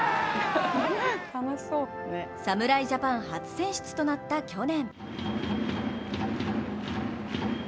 侍ジャパン初選出となった去年。